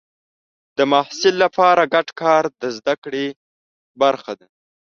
د محصل لپاره ګډ کار د زده کړې برخه ده.